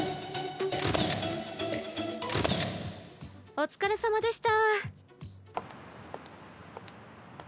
お疲れさまでした。